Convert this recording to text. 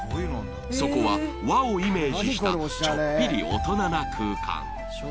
そこは和をイメージした、ちょっぴり大人な空間。